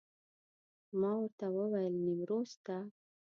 ما ورته وویل نیمروز ته.